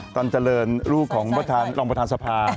ก่อนเจริญลูกของรองประธานภาพ